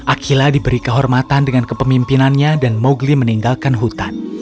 akila diberi kehormatan dengan kepemimpinannya dan mowgli meninggalkan hutan